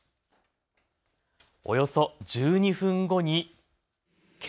およそ１２分後に煙。